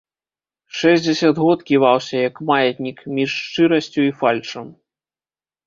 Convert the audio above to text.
Шэсцьдзесят год ківаўся, як маятнік, між шчырасцю і фальшам.